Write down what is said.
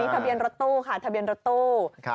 ตามีทะเบียนรถตู้ค่ะ